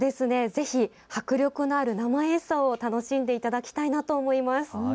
ぜひ迫力のある生演奏を楽しんでいただきたいなと思います。